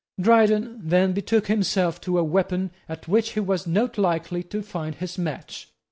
Dryden then betook himself to a weapon at which he was not likely to find his match.